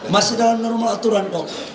masih dalam normal aturan kok